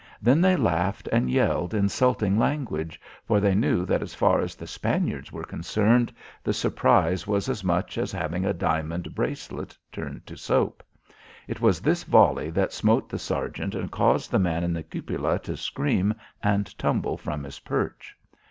Then they laughed and yelled insulting language, for they knew that as far as the Spaniards were concerned, the surprise was as much as having a diamond bracelet turn to soap. It was this volley that smote the sergeant and caused the man in the cupola to scream and tumble from his perch.